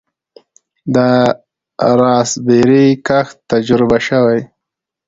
د راسبیري کښت تجربه شوی؟